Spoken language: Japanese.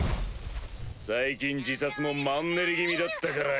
最近自殺もマンネリ気味だったからよぉ。